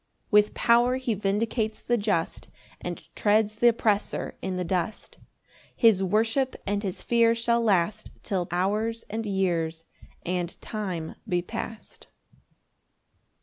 3 With power he vindicates the just, And treads th' oppressor in the dust; His worship and his fear shall last Till hours and years and time be past.